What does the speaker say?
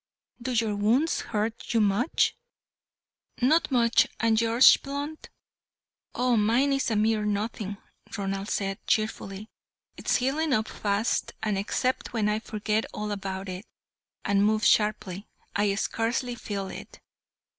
Do your wounds hurt you much?" "Not much; and yours, Blunt?" "Oh, mine is a mere nothing," Ronald said, cheerfully, "it's healing up fast, and except when I forget all about it, and move sharply, I scarcely feel it.